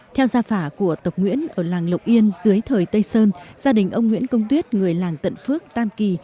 theo gia phả của tộc nguyễn ở làng lộc yên dưới thời tây sơn gia đình ông nguyễn công tuyết người làng tận phước tam kỳ